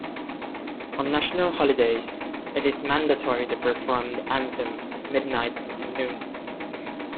On national holidays, it is mandatory to perform the anthem at midnight and noon.